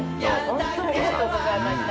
ホントありがとうございました。